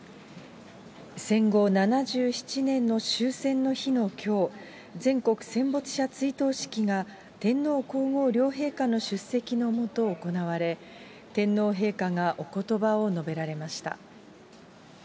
戦後７７年の終戦の日のきょう、全国戦没者追悼式が、天皇皇后両陛下の出席のもと行われ、天皇陛下がおことばを述べられました。